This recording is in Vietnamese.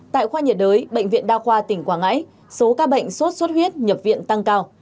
tại khoa nhiệt đới bệnh viện đa khoa tỉnh quảng ngãi số ca bệnh sốt xuất huyết nhập viện tăng cao